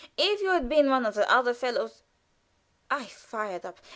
If you had been one of the other fellows " I fired up.